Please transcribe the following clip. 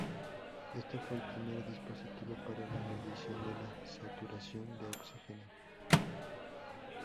Este fue el primer dispositivo para la medición de la saturación de oxígeno.